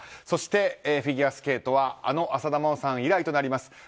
そして、フィギュア勢はあの浅田真央さん以来となります